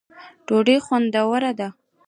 ډوډۍ خوندوره ده